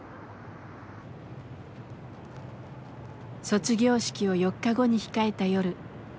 卒業式を４日後に控えた夜。